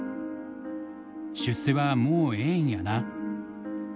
「出世はもうええんやな」。